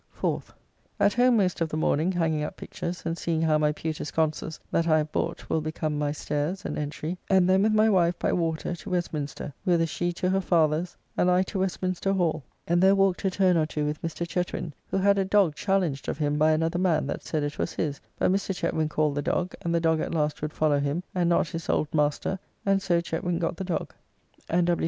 4th. At home most of the morning hanging up pictures, and seeing how my pewter sconces that I have bought will become my stayres and entry, and then with my wife by water to Westminster, whither she to her father's and I to Westminster Hall, and there walked a turn or two with Mr. Chetwin (who had a dog challenged of him by another man that said it was his, but Mr. Chetwin called the dog, and the dog at last would follow him, and not his old master, and so Chetwin got the dog) and W.